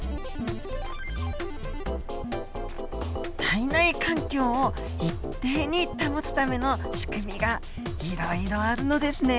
体内環境を一定に保つための仕組みがいろいろあるのですね。